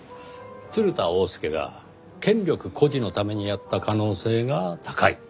鶴田翁助が権力誇示のためにやった可能性が高い。